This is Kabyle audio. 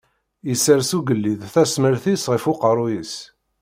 Isers ugellid tasmert-is ɣef uqerru-s.